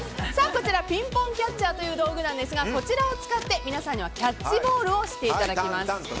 こちら、ピンポンキャッチャーという道具なんですがこちらを使って皆さんにはキャッチボールをしていただきます。